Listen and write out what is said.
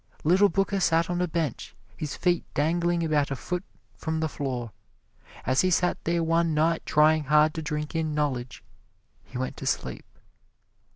Little Booker sat on a bench, his feet dangling about a foot from the floor. As he sat there one night trying hard to drink in knowledge, he went to sleep.